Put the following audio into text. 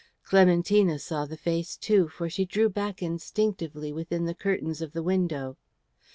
Clementina saw the face too, for she drew back instinctively within the curtains of the window.